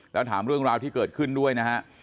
แล้วถามเรื่องราวที่เกิดขึ้นด้วยนะฮะ